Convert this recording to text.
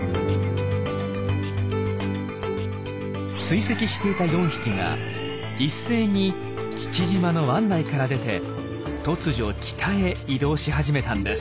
追跡していた４匹が一斉に父島の湾内から出て突如北へ移動し始めたんです。